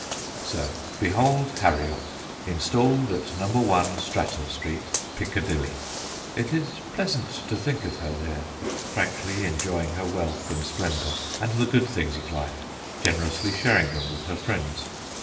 So behold Harriot installed at No. 1 Stratton Street, Piccadilly. It is pleasant to think of her there, frankly enjoying her wealth and splendour and the good things of life, generously sharing them with her friends.